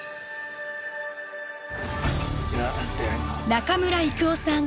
中村征夫さん。